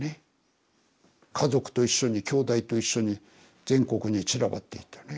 家族と一緒にきょうだいと一緒に全国に散らばっていったね。